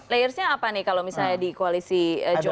layersnya apa nih kalau misalnya di koalisi jokowi